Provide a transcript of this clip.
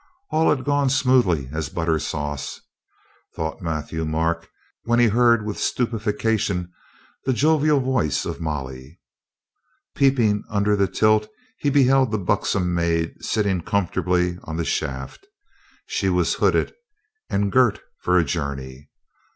All had gone smoothly as a butter sauce, thought Matthieu Marc, when he heard with stupefaction the jovial voice of Molly. Peeping under the tilt he beheld that buxom maid sitting comfortably on the shaft. She was hooded and girt for a journey.